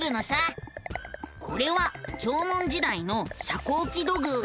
これは縄文時代の遮光器土偶。